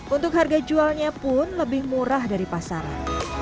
untuk harga jualnya pun lebih murah dari pasaran